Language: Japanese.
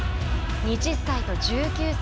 ２０歳と１９歳。